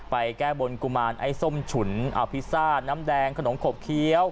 แก้บนกุมารไอ้ส้มฉุนอพิซซ่าน้ำแดงขนมขบเคี้ยว